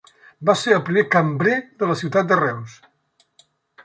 Va ser el primer cambrer de la ciutat de Reus.